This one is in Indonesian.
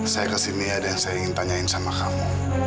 saya kesini ada yang saya ingin tanyain sama kamu